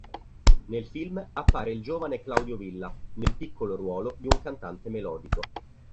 Nel film appare il giovane Claudio Villa nel piccolo ruolo di un cantante melodico.